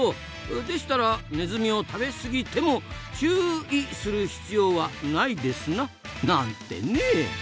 でしたらネズミを食べ過ぎても「チューい」する必要はないですな！なんてね。